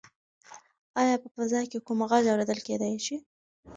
ایا په فضا کې کوم غږ اورېدل کیدی شي؟